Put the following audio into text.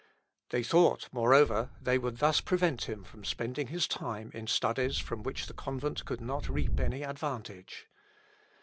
They thought, moreover, they would thus prevent him from spending his time in studies from which the convent could not reap any advantage.